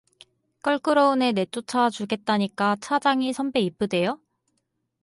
껄끄러운 애 내쫓아주겠다니까 차장이 선배 이쁘대요?